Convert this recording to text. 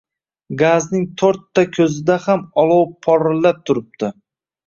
Gazning to`rtta ko`zida ham olov porillab turibdi